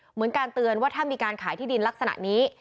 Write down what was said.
เหมือนการเตือนว่าถ้ามีการขายที่ดินลักษณะนี้